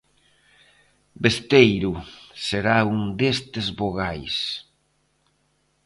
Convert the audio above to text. Besteiro será un destes vogais.